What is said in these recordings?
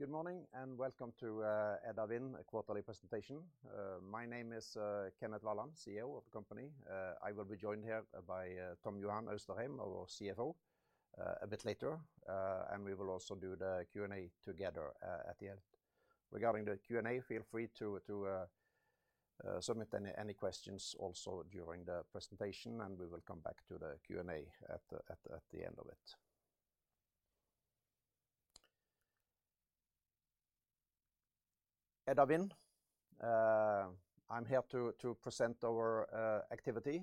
Good morning, and welcome to Edda Wind quarterly presentation. My name is Kenneth Walland, CEO of the company. I will be joined here by Tom Johan Austrheim, our CFO, a bit later, and we will also do the Q&A together at the end. Regarding the Q&A, feel free to, to submit any, any questions also during the presentation, and we will come back to the Q&A at the, at the, at the end of it. Edda Wind. I'm here to, to present our activity.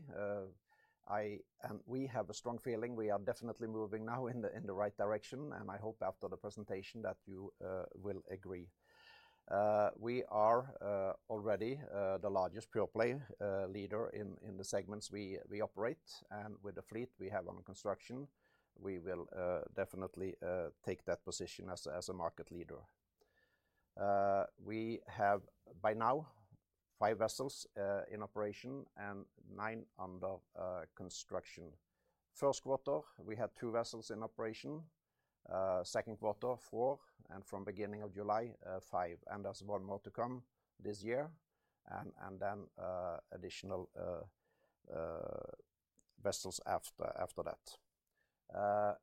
I, and we have a strong feeling we are definitely moving now in the, in the right direction, and I hope after the presentation that you will agree. We are already the largest pure-play leader in the segments we operate, and with the fleet we have on construction, we will definitely take that position as a market leader. We have, by now, five vessels in operation and nine under construction. 1st quarter, we had vessels in operation, 2nd quarter, four, and from beginning of July, 5, and there's one more to come this year, and then additional vessels after that.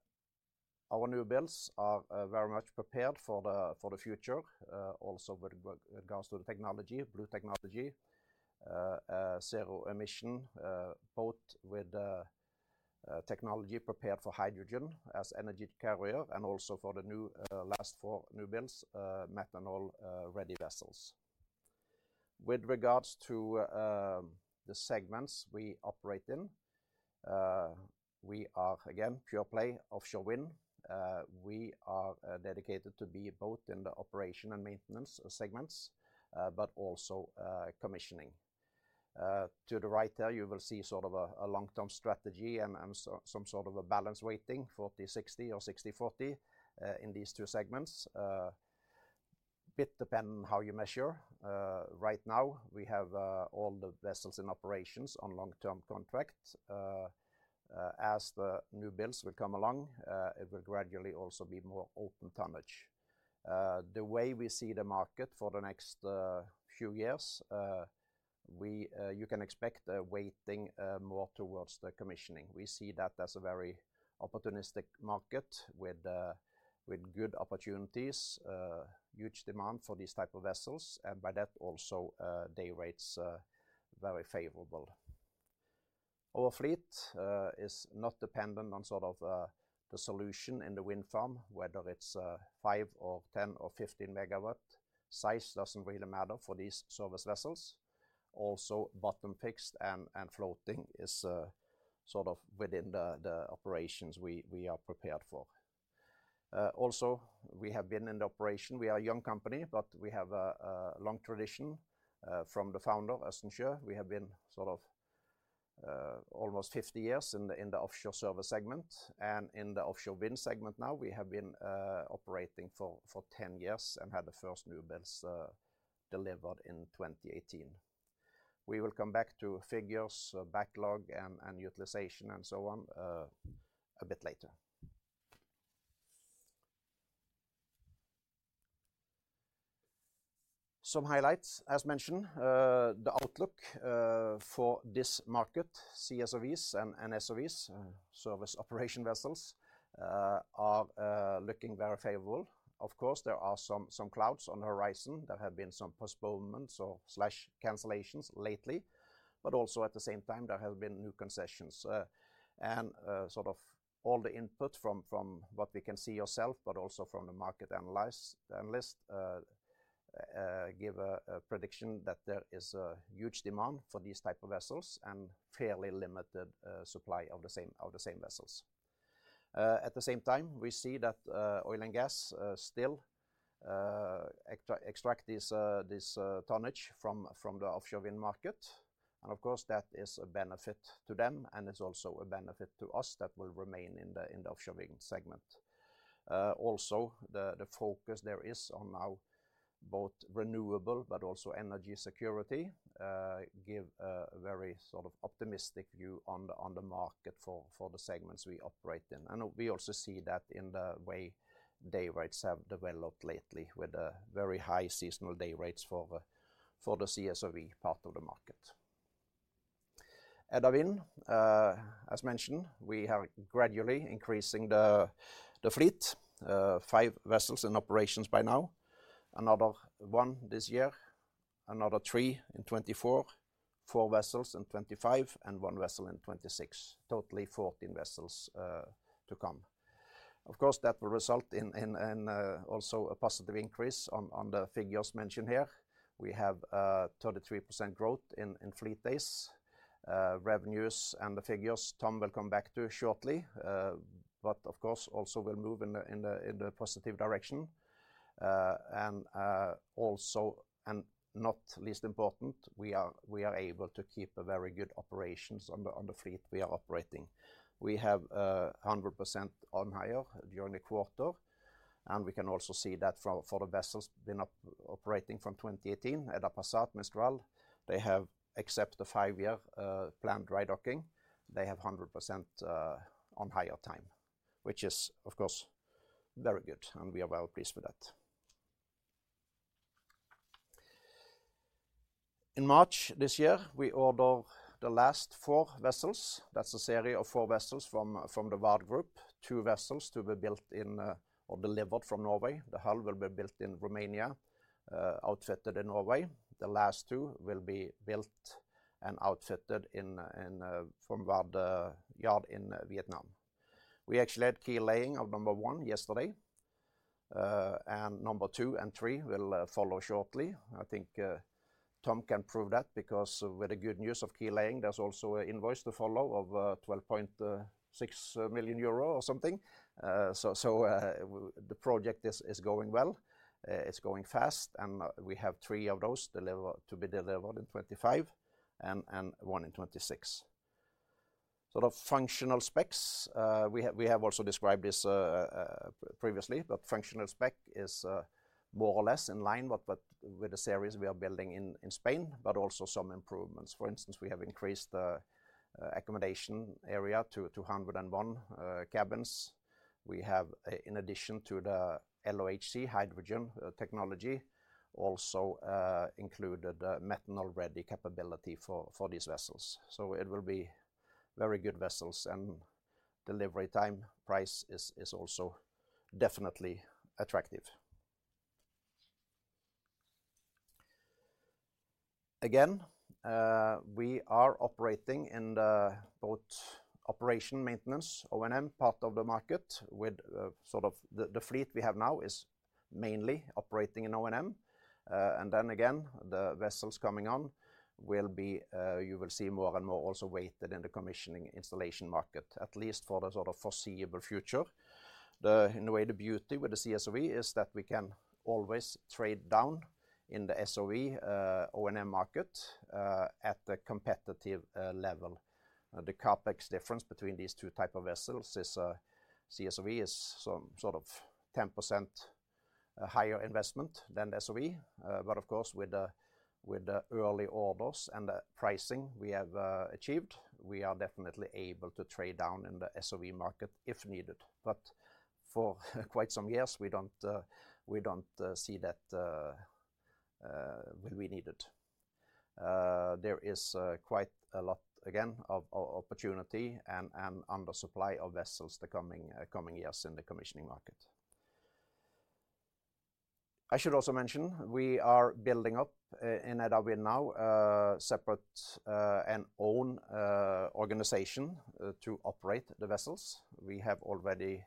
Our new builds are very much prepared for the future, also with regard to the technology, Blue Technology, zero emission, both with the technology prepared for hydrogen as energy carrier and also for the new, last four new builds, methanol, ready vessels. With regards to the segments we operate in, we are, again, pure-play offshore wind. We are dedicated to be both in the operation and maintenance segments, but also commissioning. To the right there, you will see sort of a long-term strategy and some sort of a balance weighting, 40/60 or 60/40, in these two segments. Bit depend on how you measure. Right now, we have all the vessels in operations on long-term contract. As the new builds will come along, it will gradually also be more open tonnage. The way we see the market for the next few years, we, you can expect a weighting more towards the commissioning. We see that as a very opportunistic market with good opportunities, huge demand for these type of vessels. By that, also, day rates very favorable. Our fleet is not dependent on sort of the solution in the wind farm, whether it's five or 10 or 15 MW. Size doesn't really matter for these service vessels. Also, bottom fixed and floating is sort of within the operations we are prepared for. Also, we have been in the operation. We are a young company, but we have a long tradition from the founder, Østensjø. We have been sort of, almost 50 years in the, in the offshore service segment and in the offshore wind segment now, we have been operating for 10 years and had the first new builds delivered in 2018. We will come back to figures, backlog and utilization, and so on, a bit later. Some highlights. As mentioned, the outlook for this market, CSOVs and SOVs, service operation vessels, are looking very favorable. Of course, there are some, some clouds on the horizon. There have been some postponements or slash cancellations lately, also at the same time, there have been new concessions. Sort of all the input from, from what we can see ourself, but also from the market analyst, give a prediction that there is a huge demand for these type of vessels and fairly limited supply of the same, of the same vessels. At the same time, we see that oil and gas still extract this, this tonnage from, from the offshore wind market. Of course, that is a benefit to them, and it's also a benefit to us that will remain in the, in the offshore wind segment. Also, the, the focus there is on now both renewable but also energy security, give a very sort of optimistic view on the, on the market for, for the segments we operate in. We also see that in the way day rates have developed lately, with a very high seasonal day rates for the CSOV part of the market. Edda Wind, as mentioned, we are gradually increasing the fleet. five vessels in operations by now. Another one this year, another three in 2024, four vessels in 2025, and one vessel in 2026. Totally, 14 vessels to come. Of course, that will result in also a positive increase on the figures mentioned here. We have 33% growth in fleet days. Revenues and the figures, Tom will come back to shortly, but of course, also will move in the positive direction. Also, and not least important, we are able to keep a very good operations on the fleet we are operating. We have 100% on hire during the quarter, and we can also see that for the vessels been operating from 2018, Edda Passat, Edda Mistral, they have, except the 5-year planned dry docking, they have 100% on hire time, which is, of course, very good, and we are well pleased with that. In March this year, we order the last four vessels. That's a series of four vessels from the VARD group. two vessels to be built in or delivered from Norway. The hull will be built in Romania, outfitted in Norway. The last two will be built and outfitted in from VARD yard in Vietnam. We actually had keel laying of number one yesterday, and number two and three will follow shortly. I think Tom can prove that because with the good news of keel laying, there's also an invoice to follow of 12.6 million euro or something. The project is going well. It's going fast, and we have three of those to be delivered in 2025 and one in 2026. The functional specs, we have also described this previously, but functional spec is more or less in line with the series we are building in Spain, but also some improvements. For instance, we have increased the accommodation area to 201 cabins. We have, in addition to the LOHC hydrogen technology, also included a methanol-ready capability for, for these vessels. It will be very good vessels, and delivery time price is, is also definitely attractive. Again, we are operating in the both operation maintenance, O&M, part of the market with, sort of... The fleet we have now is mainly operating in O&M. Then again, the vessels coming on will be, you will see more and more also weighted in the commissioning installation market, at least for the sort of foreseeable future. The, in a way, the beauty with the CSOV is that we can always trade down in the SOV, O&M market, at the competitive level. The CapEx difference between these two type of vessels is, CSOV is some sort of 10%, higher investment than SOV. Of course, with the early orders and the pricing we have achieved, we are definitely able to trade down in the SOV market if needed. But for quite some years, we don't, we don't see that will be needed. There is quite a lot, again, of opportunity and under supply of vessels the coming years in the commissioning market. I should also mention, we are building up in Edda Wind now, a separate and own organization to operate the vessels. We have already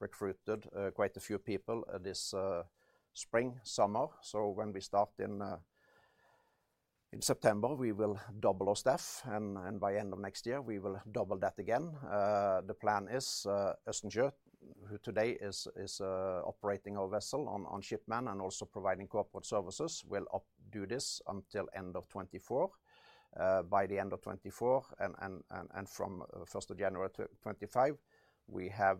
recruited quite a few people this spring, summer. When we start in September, we will double our staff, and by end of next year, we will double that again. The plan is Østensjø, who today is operating our vessel on SHIPMAN and also providing corporate services, will do this until end of 2024. By the end of 2024 and from first of January 2025, we have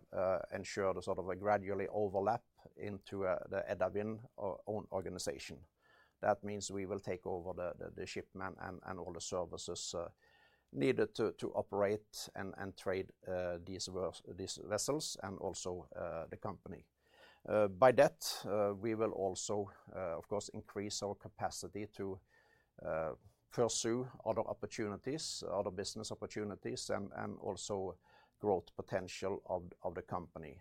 ensured a sort of a gradually overlap into the Edda Wind own organization. That means we will take over the SHIPMAN and all the services needed to operate and trade these vessels and also the company. By that, we will also, of course, increase our capacity to pursue other opportunities, other business opportunities, and, and also growth potential of the, of the company.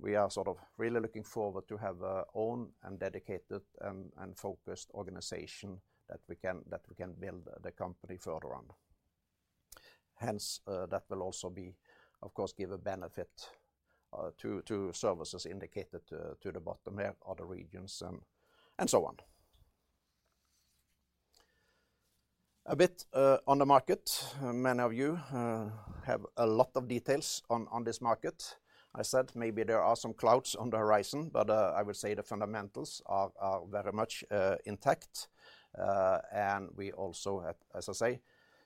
We are sort of really looking forward to have our own and dedicated and, and focused organization that we can, that we can build the company further on. Hence, that will also be, of course, give a benefit to, to services indicated to the bottom here, other regions and, and so on. A bit on the market. Many of you have a lot of details on, on this market. I said maybe there are some clouds on the horizon, but, I would say the fundamentals are, are very much intact. We also have, as I say,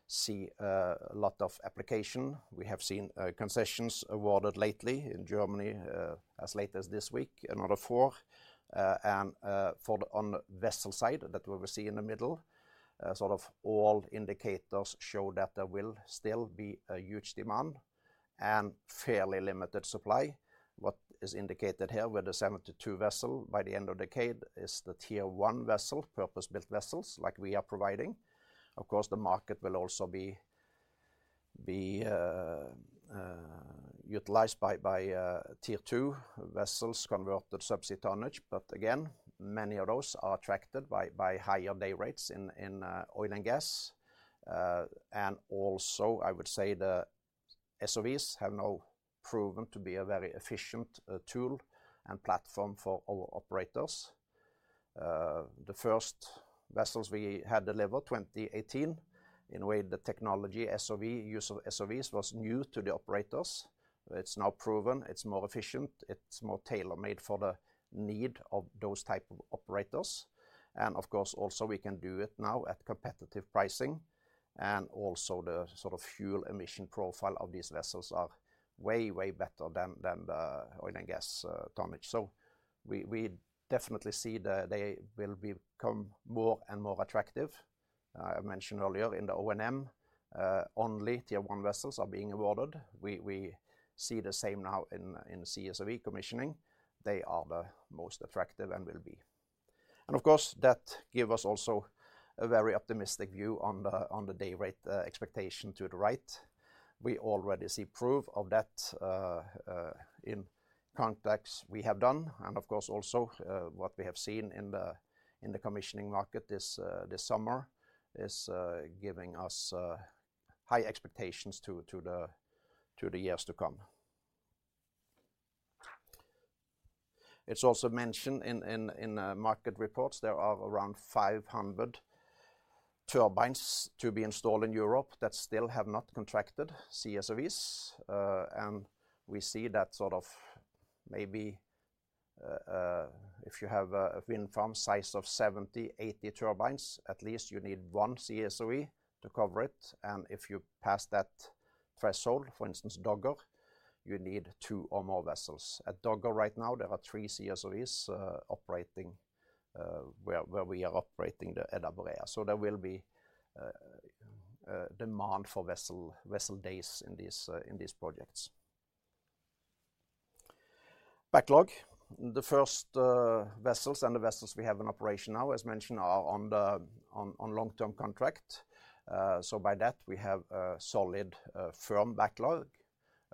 see, a, a lot of application. We have seen concessions awarded lately in Germany, as late as this week, another 4. For the on vessel side that we will see in the middle, sort of all indicators show that there will still be a huge demand and fairly limited supply. What is indicated here with the 72 vessel by the end of the decade is the Tier One vessel, purpose-built vessels like we are providing. Of course, the market will also be, be, utilized by, by, Tier Two vessels, converted subsea tonnage. Again, many of those are attracted by, by higher day rates in, in, oil and gas. Also, I would say the SOVs have now proven to be a very efficient tool and platform for our operators. The first vessels we had delivered, 2018, in a way, the technology, SOV, use of SOVs was new to the operators. It's now proven it's more efficient, it's more tailor-made for the need of those type of operators. Of course, also, we can do it now at competitive pricing, and also the sort of fuel emission profile of these vessels are way, way better than, than the oil and gas tonnage. We, we definitely see that they will become more and more attractive. I mentioned earlier in the O&M, only Tier one vessels are being awarded. We, we see the same now in, in CSOV commissioning. They are the most attractive and will be. Of course, that give us also a very optimistic view on the, on the day rate expectation to the right. We already see proof of that, in contracts we have done, and of course, also, what we have seen in the, in the commissioning market this summer, is giving us high expectations to, to the, to the years to come. It's also mentioned in, in, in market reports, there are around 500 turbines to be installed in Europe that still have not contracted CSOVs. We see that sort of maybe, if you have a, a wind farm size of 70-80 turbines, at least you need one CSOV to cover it. If you pass that threshold, for instance, Dogger, you need two or more vessels. At Dogger right now, there are three CSOVs operating, where, where we are operating the Edda Boreas. There will be demand for vessel, vessel days in these projects. Backlog. The first vessels and the vessels we have in operation now, as mentioned, are on long-term contract. By that, we have a solid firm backlog,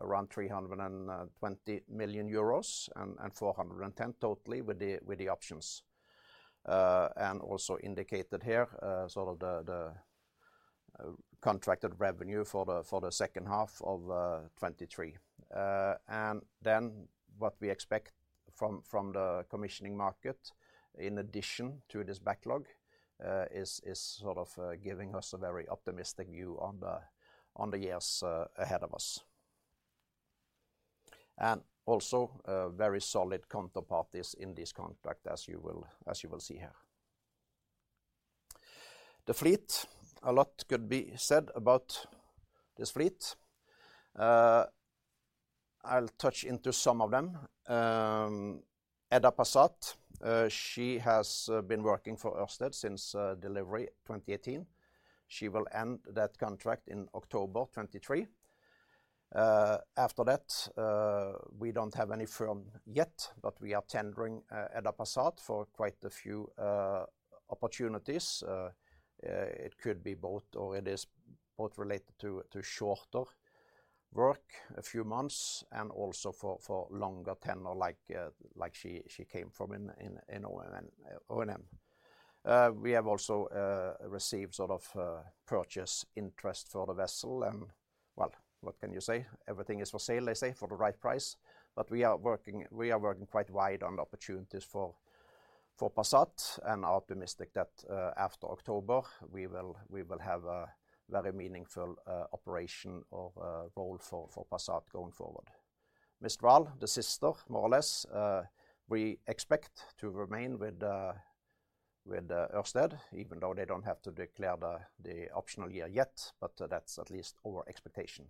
around 320 million euros and 410 totally with the options. Also indicated here, sort of the contracted revenue for the second half of 2023. Then what we expect from the commissioning market, in addition to this backlog, is sort of giving us a very optimistic view on the years ahead of us. Also, very solid counterparties in this contract, as you will, as you will see here. The fleet. A lot could be said about this fleet. I'll touch into some of them. Edda Passat, she has been working for Ørsted since delivery, 2018. She will end that contract in October 2023. After that, we don't have any firm yet, but we are tendering Edda Passat for quite a few opportunities. It could be both, or it is both related to, to shorter work, a few months, and also for, for longer tender like like she, she came from in, in, in O&M, O&M. We have also received sort of purchase interest for the vessel, and well, what can you say? Everything is for sale, they say, for the right price. We are working, we are working quite wide on opportunities for, for Edda Passat, and are optimistic that, after October, we will, we will have a very meaningful, operation or, role for, for Edda Passat going forward. Edda Mistral, the sister, more or less, we expect to remain with, with, Ørsted, even though they don't have to declare the, the optional year yet, but that's at least our expectation.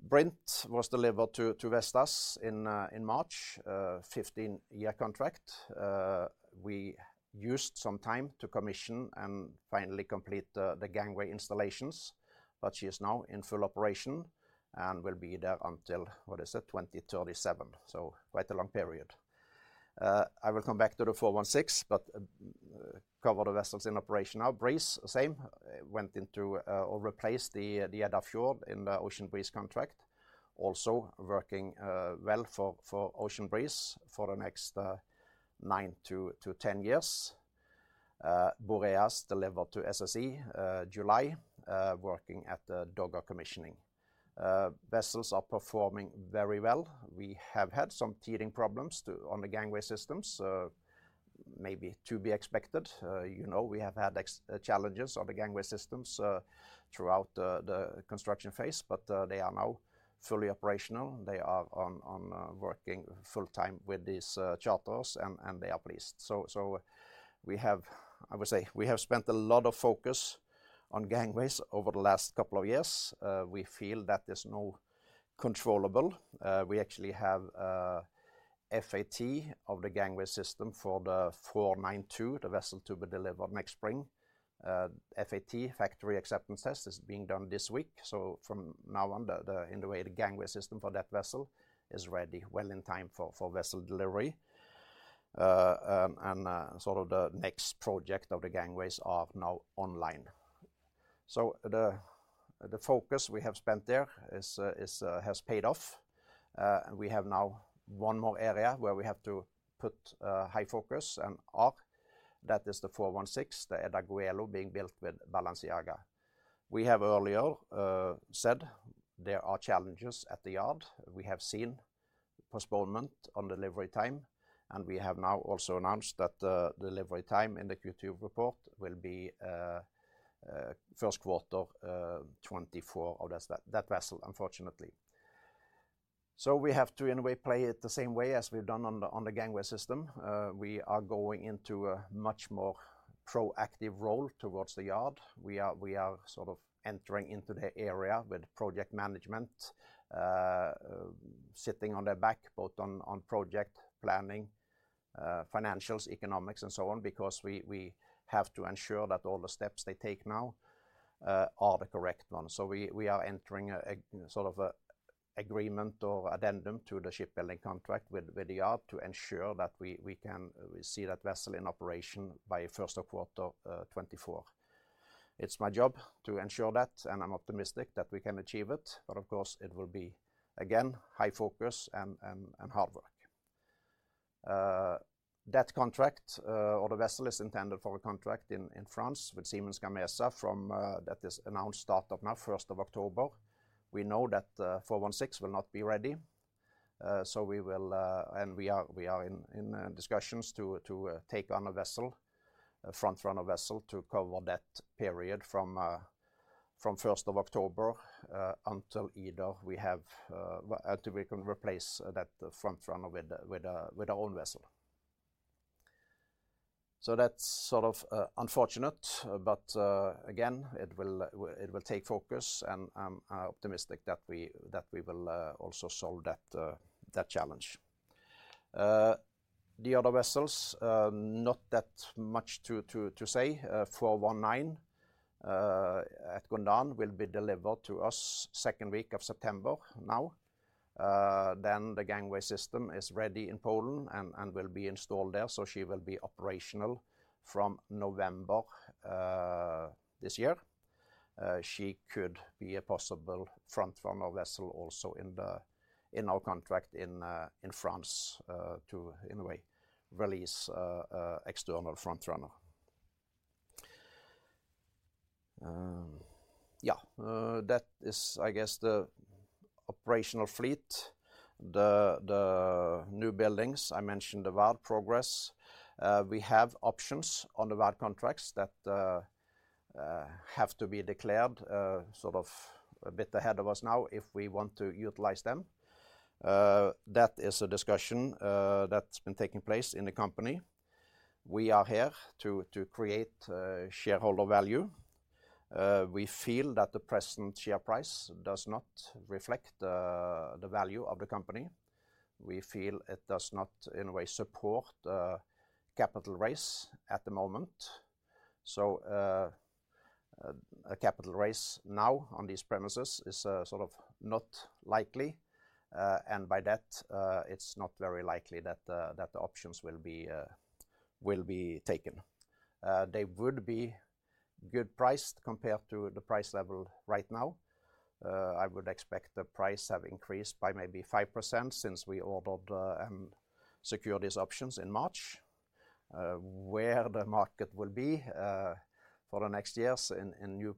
Edda Brint was delivered to, to Vestas in, in March, a 15-year contract. We used some time to commission and finally complete the, the gangway installations, but she is now in full operation and will be there until, what is it? 2037. So quite a long period. I will come back to the C416, but cover the vessels in operation now. Breeze, the same went into or replaced the Edda Fjord in the Ocean Breeze contract. Also working well for Ocean Breeze for the next nine to 10 years. Boreas delivered to SSE July, working at the Dogger commissioning. Vessels are performing very well. We have had some teething problems on the gangway systems, maybe to be expected. You know, we have had challenges on the gangway systems throughout the construction phase, but they are now fully operational. They are on, on, working full time with these charters, and they are pleased. We have, I would say, we have spent a lot of focus on gangways over the last couple of years. We feel that is now controllable. We actually have FAT of the gangway system for the C492, the vessel to be delivered next spring. FAT, Factory Acceptance Test, is being done this week. From now on, the gangway system for that vessel is ready well in time for vessel delivery. Sort of the next project of the gangways are now online. The focus we have spent there has paid off. We have now one more area where we have to put high focus, that is the C416, the Edda Goelo being built with Balenciaga. We have earlier said there are challenges at the yard. We have seen postponement on delivery time. We have now also announced that the delivery time in the Q2 report will be first quarter 2024 of that, that vessel, unfortunately. We have to, in a way, play it the same way as we've done on the, on the gangway system. We are going into a much more proactive role towards the yard. We are, we are sort of entering into the area with project management, sitting on their back, both on, on project planning, financials, economics, and so on, because we, we have to ensure that all the steps they take now are the correct ones. We, we are entering a, a sort of a agreement or addendum to the shipbuilding contract with, with the yard to ensure that we, we can, we see that vessel in operation by 1st of quarter 2024. It's my job to ensure that, and I'm optimistic that we can achieve it, but of course, it will be, again, high focus and, and, and hard work. That contract, or the vessel is intended for a contract in, in France with Siemens Gamesa from, that is announced start of March, 1st of October. We know that C416 will not be ready, so we will... We are, we are in, in discussions to, to take on a vessel, a front runner vessel, to cover that period from 1st of October until either we have, until we can replace that front runner with a, with a, with our own vessel. That's sort of unfortunate, but again, it will, it will take focus, and I'm optimistic that we, that we will also solve that, that challenge. The other vessels, not that much to, to, to say. C419 at Gondán will be delivered to us second week of September now. The gangway system is ready in Poland and, and will be installed there, so she will be operational from November this year. She could be a possible front runner vessel also in the, in our contract in France, to, in a way, release a external front runner. Yeah, that is, I guess, the operational fleet. The new buildings, I mentioned the VARD progress. We have options on the VARD contracts that have to be declared sort of a bit ahead of us now if we want to utilize them. That is a discussion that's been taking place in the company. We are here to create shareholder value. We feel that the present share price does not reflect the value of the company. We feel it does not, in a way, support the capital raise at the moment. A capital raise now on these premises is sort of not likely, and by that, it's not very likely that the options will be taken. They would be good priced compared to the price level right now. I would expect the price have increased by maybe 5% since we ordered securities options in March. Where the market will be for the next years in new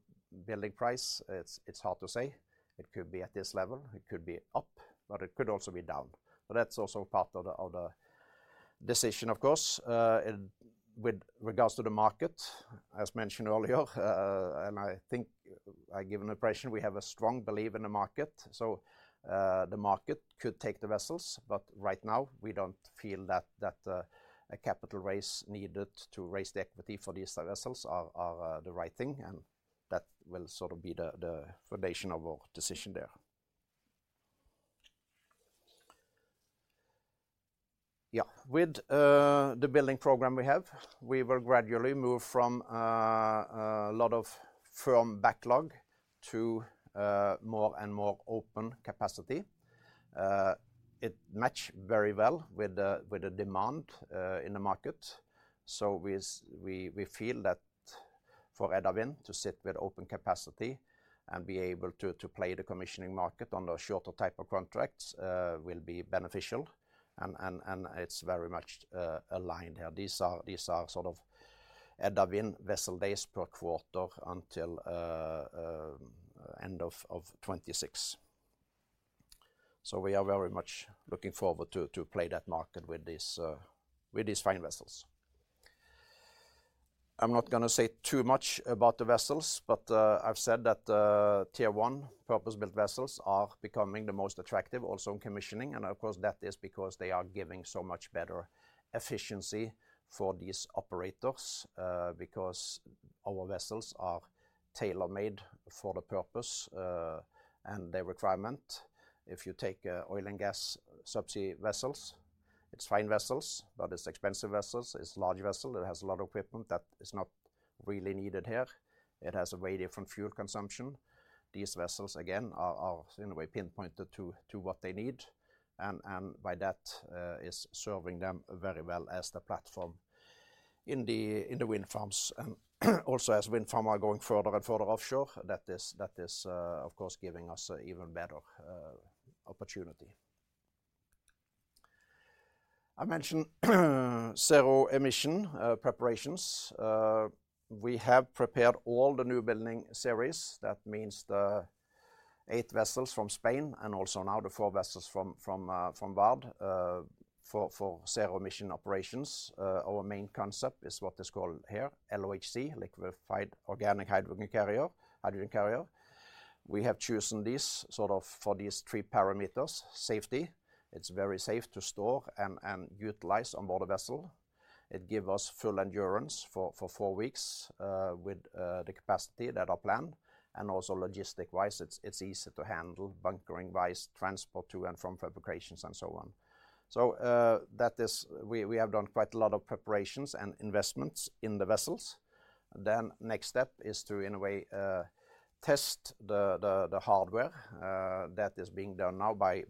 building price, it's hard to say. It could be at this level, it could be up, but it could also be down. That's also part of the decision, of course. With regards to the market, as mentioned earlier, and I think I give an impression, we have a strong belief in the market, so the market could take the vessels, but right now, we don't feel that a capital raise needed to raise the equity for these vessels are the right thing, and that will sort of be the foundation of our decision there. Yeah. With the building program we have, we will gradually move from a lot of firm backlog to more and more open capacity. It match very well with the demand in the market, we feel that for Edda Wind to sit with open capacity and be able to play the commissioning market on the shorter type of contracts will be beneficial, and it's very much aligned here. These are sort of Edda Wind vessel days per quarter until end of 2026. We are very much looking forward to play that market with these fine vessels. I'm not gonna say too much about the vessels, I've said that Tier one purpose-built vessels are becoming the most attractive also in commissioning, and of course, that is because they are giving so much better efficiency for these operators, because our vessels are tailor-made for the purpose and the requirement. If you take a oil and gas subsea vessels, it's fine vessels, but it's expensive vessels. It's large vessel. It has a lot of equipment that is not really needed here. It has a very different fuel consumption. These vessels, again, are in a way pinpointed to what they need and by that, is serving them very well as the platform in the wind farms. Also, as wind farm are going further and further offshore, that is, of course, giving us an even better opportunity. I mentioned zero emission preparations. We have prepared all the new building series, that means the eight vessels from Spain, and also now the four vessels from VARD, for zero emission operations. Our main concept is what is called here, LOHC, Liquid Organic Hydrogen Carrier, Hydrogen Carrier. We have chosen this sort of for these three parameters: safety, it's very safe to store and utilize on board a vessel. It give us full endurance for four weeks with the capacity that are planned, and also logistic-wise, it's easy to handle, bunkering-wise, transport to and from fabrications, and so on. We have done quite a lot of preparations and investments in the vessels. Next step is to, in a way, test the hardware. That is being done now by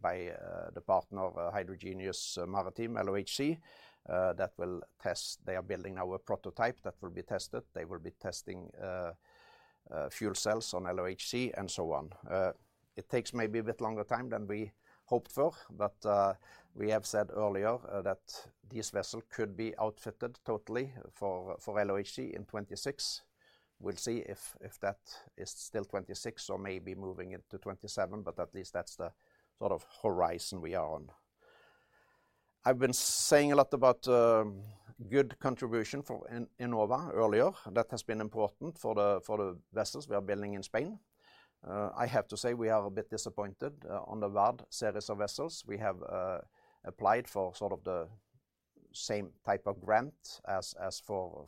the partner of Hydrogenious Maritime, LOHC. They are building our prototype that will be tested. They will be testing fuel cells on LOHC, and so on. It takes maybe a bit longer time than we hoped for. We have said earlier that this vessel could be outfitted totally for LOHC in 2026. We'll see if that is still 2026 or maybe moving into 2027. At least that's the sort of horizon we are on. I've been saying a lot about good contribution from Enova earlier, that has been important for the vessels we are building in Spain. I have to say, we are a bit disappointed on the VARD series of vessels. We have applied for sort of the same type of grant as for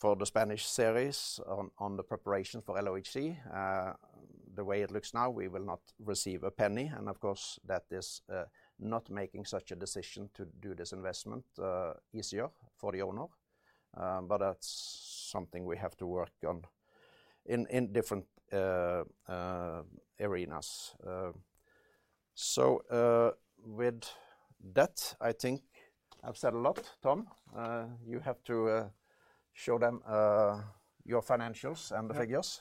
for the Spanish series on the preparation for LOHC. The way it looks now, we will not receive a penny, and of course, that is not making such a decision to do this investment easier for the owner. But that's something we have to work on in different arenas. So with that, I think I've said a lot. Tom, you have to show them your financials and the figures.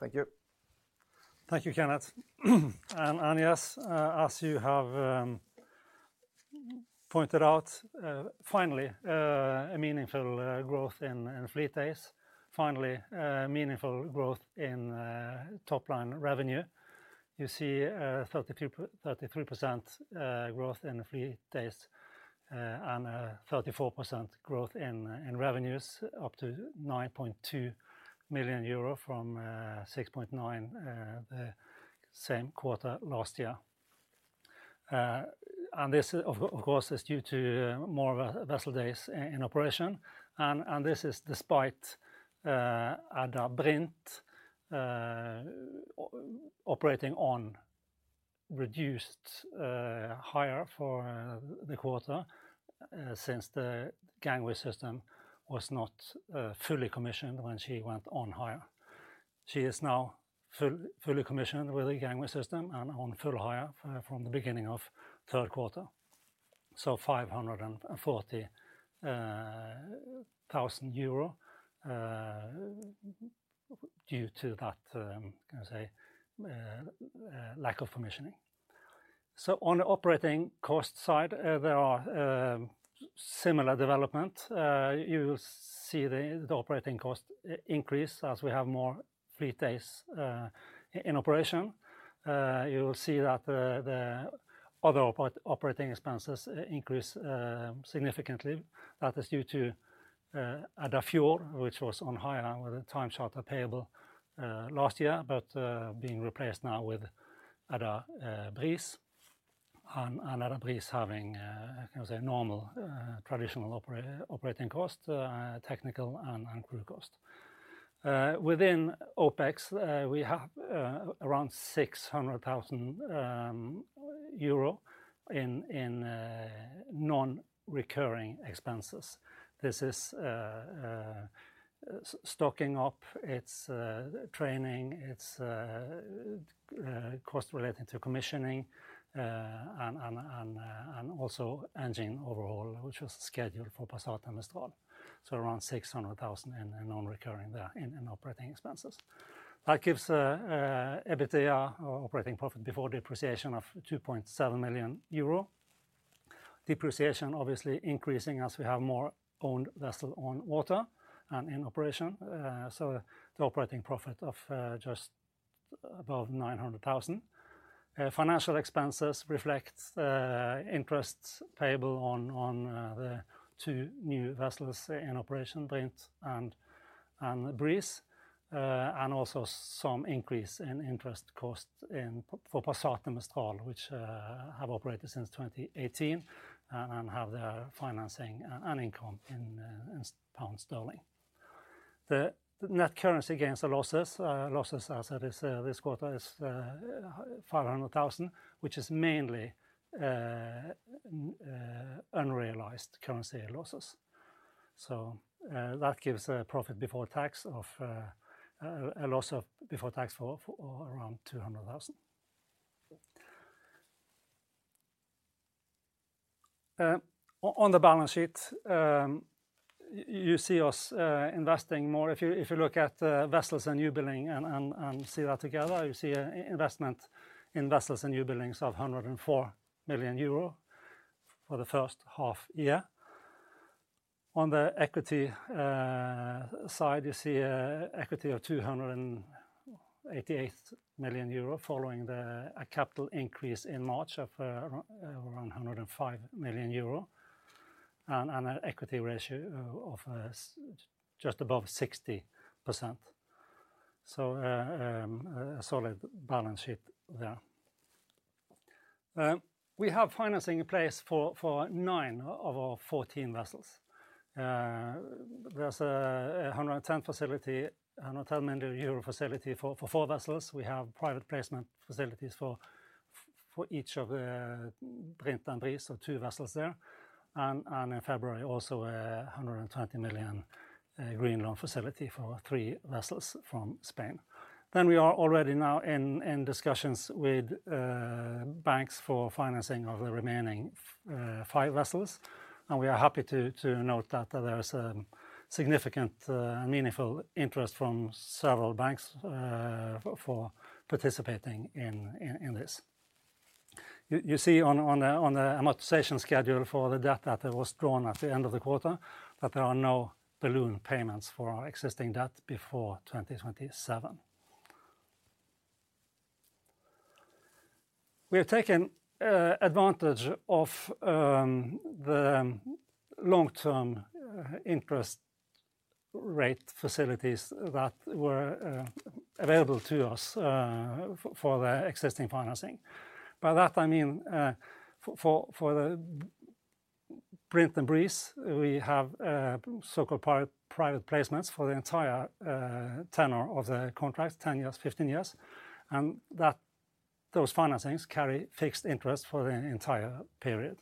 Thank you. Thank you, Kenneth. Yes, as you have pointed out, finally, a meaningful growth in fleet days. Finally, a meaningful growth in top line revenue. You see 32%-33% growth in fleet days, and a 34% growth in revenues, up to 9.2 million euro from 6.9 million the same quarter last year. This, of course, is due to more vessel days in operation, and this is despite Edda Brint operating on reduced hire for the quarter, since the gangway system was not fully commissioned when she went on hire. She is now fully commissioned with the gangway system and on full hire from the beginning of third quarter. Five hundred and forty thousand euro due to that, can I say, lack of commissioning. On the operating cost side, there are similar development. You see the, the operating cost increase as we have more fleet days in operation. You will see that the, the other operating expenses increase significantly. That is due to Edda Fjord, which was on hire with a time charter payable last year, but being replaced now with Edda Breeze, and Edda Breeze having a, can we say, normal, traditional operating cost, technical and crew cost. Within OpEx, we have around EUR 600,000 in non-recurring expenses. This is stocking up, it's training, it's cost relating to commissioning, and also engine overhaul, which was scheduled for Passat and Mistral. Around 600,000 in, in non-recurring there, in, in operating expenses. That gives EBITDA, or Operating Profit Before Depreciation, of 2.7 million euro. Depreciation obviously increasing as we have more owned vessel on water and in operation, the operating profit of just above 900,000. Financial expenses reflects interests payable on the two new vessels in operation, Brint and Breeze, also some increase in interest costs for Passat and Mistral, which have operated since 2018, and have their financing and income in GBP. The net currency gains and losses, losses, as it is, this quarter, is 500,000, which is mainly unrealized currency losses. That gives a profit before tax of a loss of before tax for, for around 200,000. On the balance sheet, you see us investing more. If you, if you look at vessels and new building and, and, and see that together, you see a investment in vessels and new buildings of 104 million euro for the first half year. On the equity side, you see a equity of 288 million euro, following the, a capital increase in March of around 105 million euro, and, and an equity ratio of just above 60%. A solid balance sheet there. We have financing in place for nine of our 14 vessels. There's a 110 facility, 110 million euro facility for four vessels. We have private placement facilities for each of the Edda Brint and Edda Breeze, so two vessels there. In February, also, a 120 million green loan facility for three vessels from Spain. We are already now in discussions with banks for financing of the remaining five vessels, and we are happy to note that there is significant and meaningful interest from several banks for participating in this. You see on the amortization schedule for the debt that was drawn at the end of the quarter, that there are no balloon payments for our existing debt before 2027. We have taken advantage of the long-term interest rate facilities that were available to us for the existing financing. By that I mean for, for the Brint and Breeze, we have so-called private placements for the entire tenure of the contract, 10 years, 15 years, and that those financings carry fixed interest for the entire period.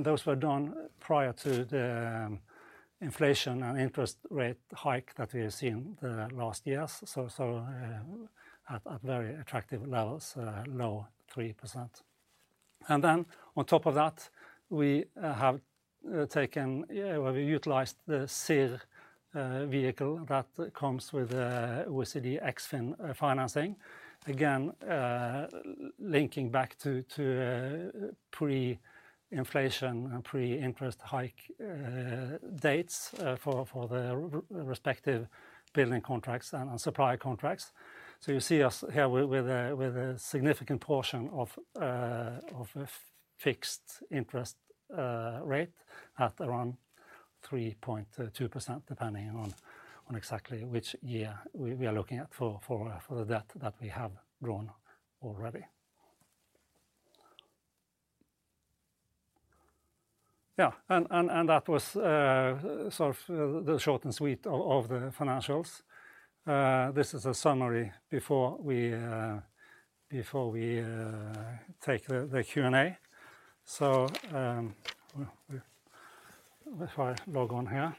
Those were done prior to the inflation and interest rate hike that we have seen the last years, so, so at very attractive levels, low 3%. On top of that, we have taken... Well, we utilised the CIRR vehicle that comes with with the Eksfin financing. Again, linking back to pre-inflation and pre-interest hike dates for the respective building contracts and supply contracts. You see us here with a significant portion of a fixed interest rate at around 3.2%, depending on exactly which year we are looking at for the debt that we have drawn already. Yeah, and that was sort of the short and sweet of the financials. This is a summary before we before we take the Q&A. Well, before I log on here,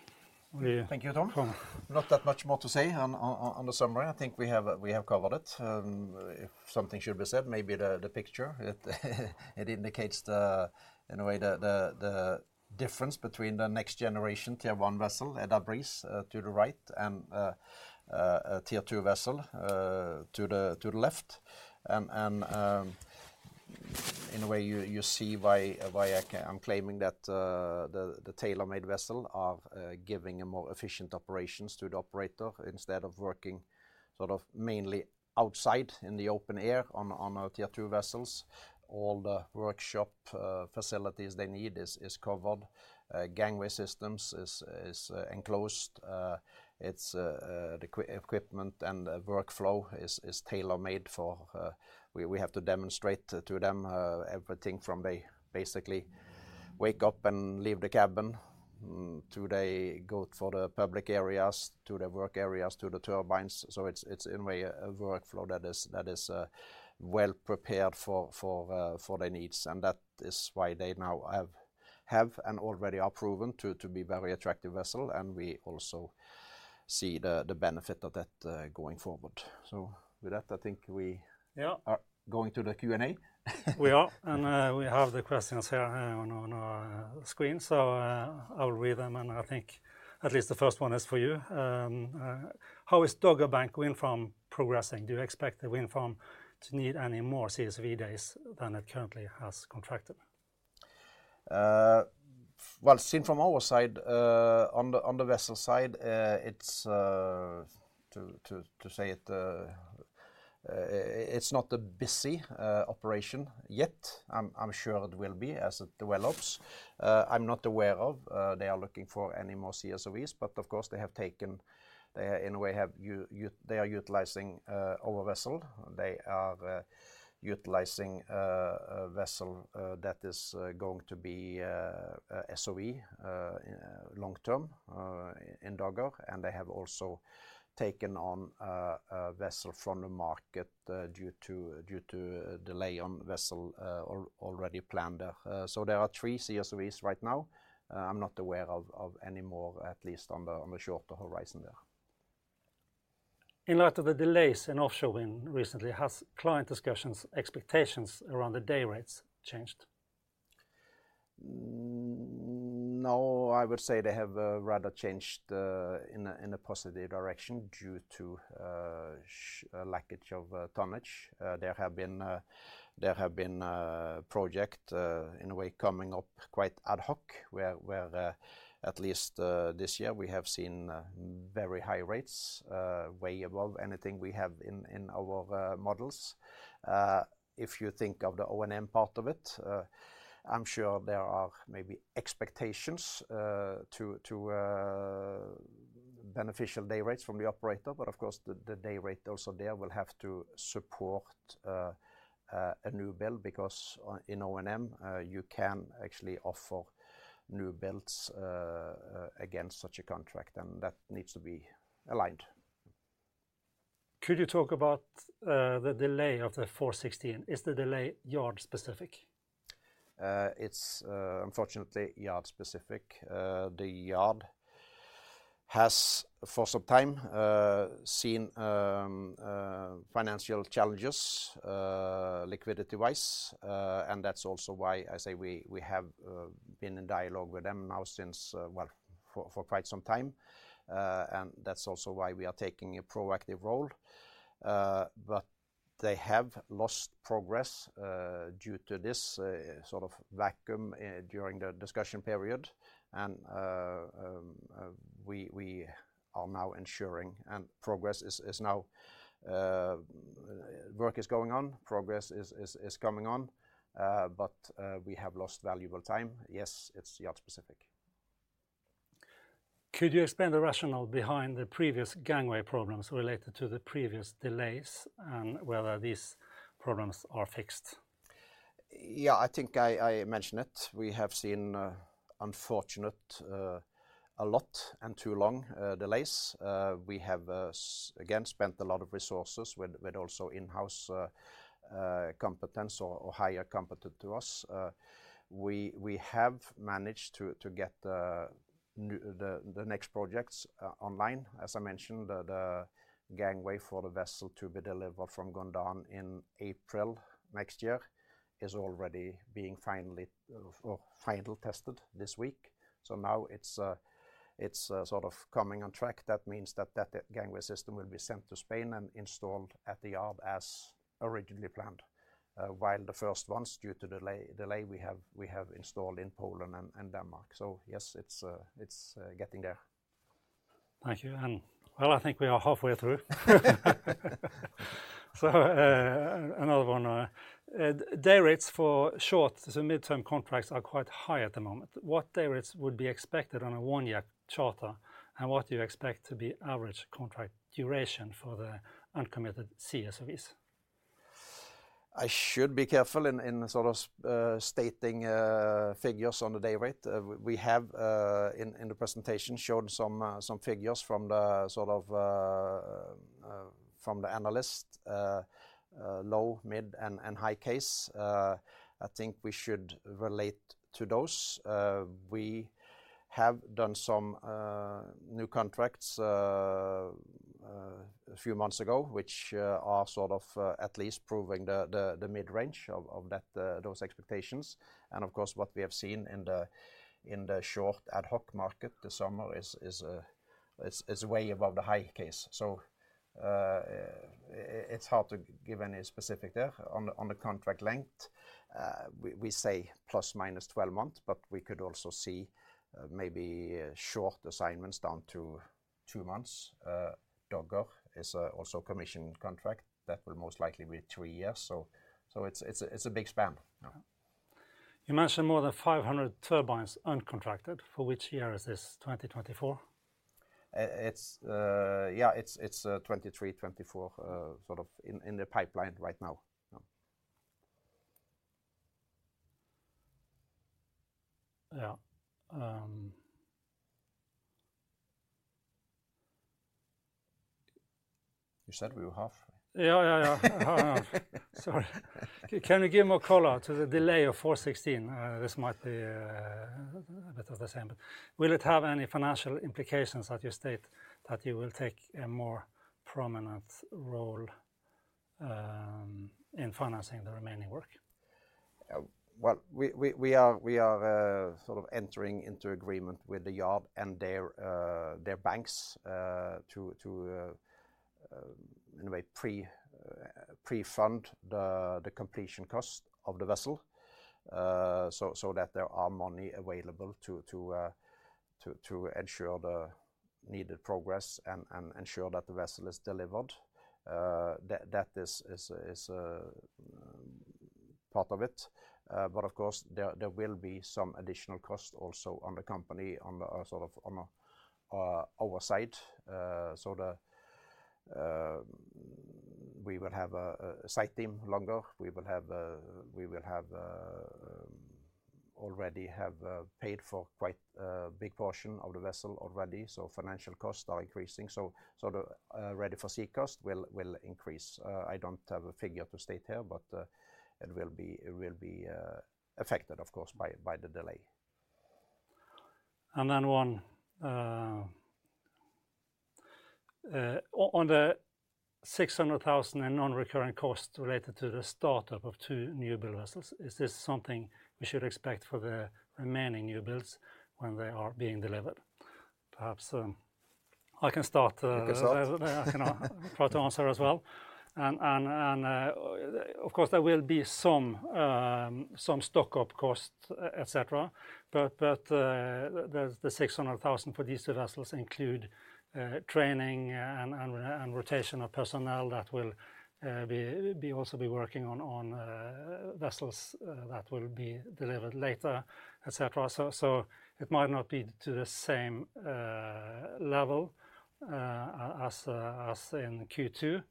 we- Thank you, Tom. Not that much more to say on, on, on the summary. I think we have, we have covered it. If something should be said, maybe the, the picture, it, it indicates the, in a way, the, the, the difference between the next generation Tier one vessel, Edda Breeze, to the right, and, a Tier two vessel, to the, to the left. In a way, you, you see why, why I'm claiming that, the, the tailor-made vessel are, giving a more efficient operations to the operator. Instead of working sort of mainly outside in the open air on, on our Tier two vessels, all the workshop, facilities they need is, is covered. Gangway systems is, is enclosed. It's, the equipment and the workflow is, is tailor-made for... We, we have to demonstrate to them, everything from basically wake up and leave the cabin, to they go for the public areas, to the work areas, to the turbines. It's, it's in a way, a workflow that is, that is well-prepared for, for their needs, and that is why they now have, have and already are proven to, to be very attractive vessel, and we also see the, the benefit of that going forward. With that, I think. Yeah are going to the Q&A. We are, and, we have the questions here on, on our screen. I will read them, and I think at least the first one is for you. "How is Dogger Bank wind farm progressing? Do you expect the wind farm to need any more CSOV days than it currently has contracted? Well, seen from our side, on the vessel side, it's to, to, to say it, it's not a busy operation yet. I'm sure it will be as it develops. I'm not aware of they are looking for any more CSOVs, but of course, they have taken in a way, have they are utilizing our vessel. They are utilizing a vessel that is going to be a SOV long-term in Dogger, and they have also taken on a vessel from the market due to, due to delay on vessel already planned there. There are three CSOVs right now. I'm not aware of, of any more, at least on the, on the shorter horizon there. In light of the delays in offshore wind recently, has client discussions' expectations around the day rates changed? No. I would say they have rather changed in a positive direction due to lack of tonnage. There have been there have been project in a way, coming up quite ad hoc, where, where, at least, this year, we have seen very high rates, way above anything we have in our models. If you think of the O&M part of it, I'm sure there are maybe expectations to beneficial day rates from the operator, but of course, the day rate also there will have to support a new build because in O&M, you can actually offer new builds against such a contract, and that needs to be aligned. Could you talk about the delay of the C416? Is the delay yard-specific? It's, unfortunately, yard-specific. The yard has, for some time, seen financial challenges, liquidity-wise. That's also why I say we, we have been in dialogue with them now since, well, for quite some time. That's also why we are taking a proactive role. They have lost progress due to this sort of vacuum during the discussion period. We, we are now ensuring and progress is, is now. Work is going on, progress is, is, is coming on, we have lost valuable time. Yes, it's yard-specific. Could you explain the rationale behind the previous gangway problems related to the previous delays, and whether these problems are fixed? Yeah, I think I, I mentioned it. We have seen unfortunate a lot and too long delays. We have again spent a lot of resources with, with also in-house competence or, or higher competence to us. We, we have managed to, to get the the next projects online. As I mentioned, the, the gangway for the vessel to be delivered from Gondán in April next year, is already being finally or final tested this week. Now it's it's sort of coming on track. That means that that gangway system will be sent to Spain and installed at the yard as originally planned. While the first ones, due to delay, delay, we have, we have installed in Poland and, and Denmark. Yes, it's it's getting there. Thank you. Well, I think we are halfway through. Another one. Day rates for short to midterm contracts are quite high at the moment. What day rates would be expected on a one-year charter, and what do you expect to be average contract duration for the uncommitted CSVs? I should be careful in, in sort of stating figures on the day rate. We, we have in the presentation, showed some figures from the analyst low, mid, and high case. I think we should relate to those. We have done some new contracts a few months ago, which are sort of at least proving the mid-range of that those expectations. Of course, what we have seen in the short ad hoc market, the summer is way above the high case. It's hard to give any specific there. On the contract length, we, we say plus minus 12 months, but we could also see, maybe short assignments down to two months. Dogger is, also a commission contract that will most likely be three years. So it's, it's a, it's a big span. You mentioned more than 500 turbines uncontracted. For which year is this? 2024? Yeah, it's 2023, 2024, sort of in the pipeline right now. Yeah. Yeah. You said we were half? Yeah, yeah, yeah. Hang on. Sorry. Can we give more color to the delay of C416? This might be a bit of the same, but will it have any financial implications that you state that you will take a more prominent role in financing the remaining work? Well, we are sort of entering into agreement with the yard and their banks, to, in a way, pre-fund the completion cost of the vessel. That there are money available to ensure the needed progress and ensure that the vessel is delivered. That is a part of it. Of course, there will be some additional cost also on the company, on the, sort of on a, our side. The. We will have a site team longer. We will already have paid for quite a big portion of the vessel already, so financial costs are increasing. The ready-for-sea cost will increase. I don't have a figure to state here, but, it will be, it will be, affected, of course, by, by the delay. Then one, on the 600,000 in non-recurring costs related to the start-up of two newbuild vessels, is this something we should expect for the remaining new builds when they are being delivered? Perhaps, I can start- You can start. I can try to answer as well. Of course, there will be some stock-up costs, et cetera. The 600,000 for these two vessels include training and, and, and rotation of personnel that will be, be also be working on, on vessels that will be delivered later, et cetera. It might not be to the same level as in Q2.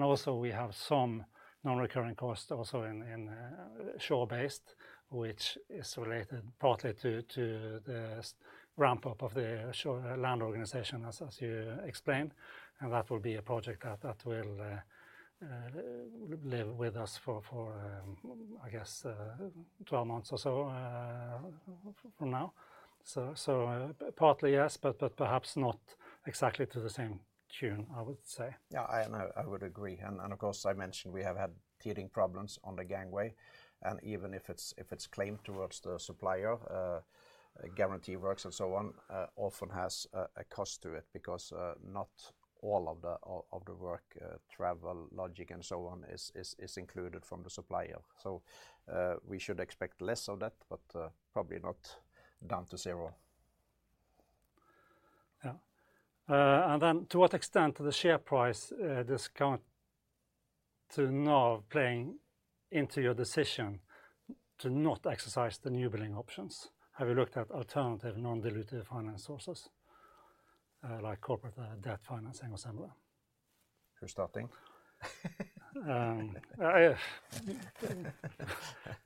Also we have some non-recurring costs also in, in shore-based, which is related partly to the ramp up of the shore-land organization, as, as you explained, and that will be a project that will live with us for, for, I guess, 12 months or so from now. So partly, yes, but perhaps not exactly to the same tune, I would say. Yeah, I know, I would agree. and of course, I mentioned we have had teething problems on the gangway, and even if it's, if it's claimed towards the supplier, guarantee works and so on, often has a cost to it. Because not all of the, all of the work, travel, logic, and so on, is, is, is included from the supplier. We should expect less of that, but probably not down to zero. Yeah. To what extent the share price, discount to NAV playing into your decision to not exercise the newbuilding options? Have you looked at alternative non-dilutive finance sources, like corporate, debt financing or similar? You're starting.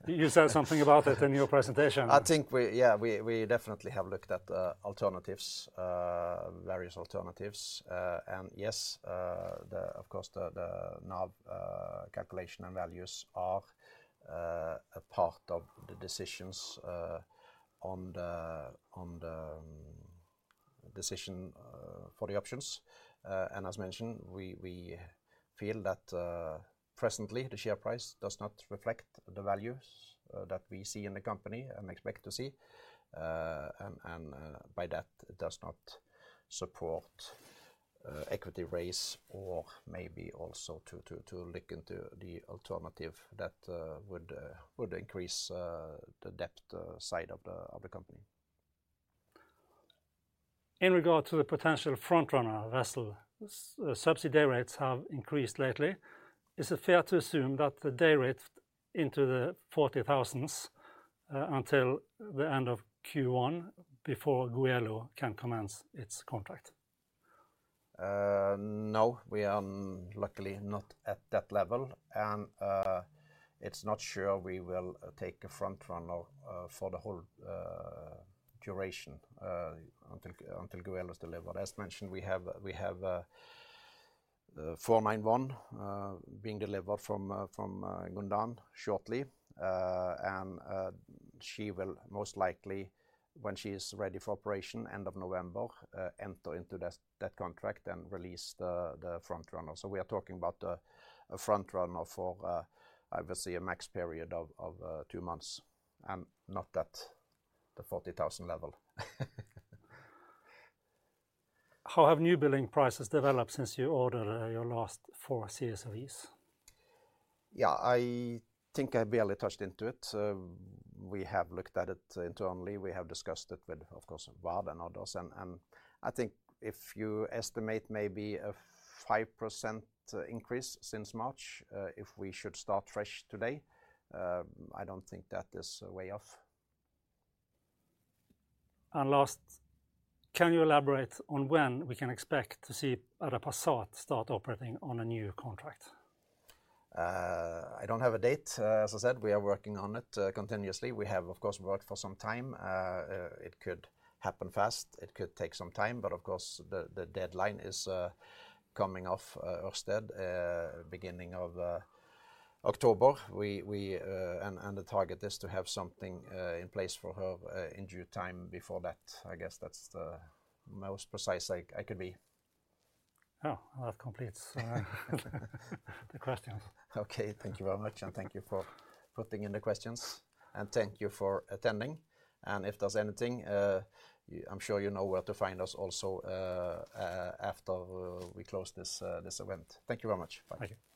You said something about it in your presentation. I think we, we definitely have looked at alternatives, various alternatives. Yes, the, of course, the, the NAV calculation and values are a part of the decisions on the, on the decision for the options. As mentioned, we, we feel that presently, the share price does not reflect the values that we see in the company and expect to see. By that, it does not support equity raise or maybe also to, to, to look into the alternative that would, would increase the debt side of the, of the company. In regard to the potential frontrunner vessel, subsidy dayrates have increased lately. Is it fair to assume that the dayrate into the NOK 40,000s, until the end of Q1, before Goelo can commence its contract? No, we are luckily not at that level, and it's not sure we will take a frontrunner for the whole duration until Goelo is delivered. As mentioned, we have C491 being delivered from Gondán shortly. And she will most likely, when she is ready for operation, end of November, enter into that contract and release the frontrunner. We are talking about a frontrunner for obviously a max period of two months, and not at the 40,000 level. How have newbuilding prices developed since you ordered, your last four CSAVs? Yeah, I think I barely touched into it. We have looked at it internally. We have discussed it with, of course, VARD and others. I think if you estimate maybe a 5% increase since March, if we should start fresh today, I don't think that is way off. Last, can you elaborate on when we can expect to see Edda Passat start operating on a new contract? I don't have a date. As I said, we are working on it continuously. We have, of course, worked for some time. It could happen fast, it could take some time, but of course, the deadline is coming off Ørsted, beginning of October. We, we... And the target is to have something in place for her in due time before that. I guess that's the most precise I could be. Oh, well, that completes the questions. Okay, thank you very much, and thank you for putting in the questions, and thank you for attending. If there's anything, you- I'm sure you know where to find us also, after we close this, this event. Thank you very much. Bye. Thank you.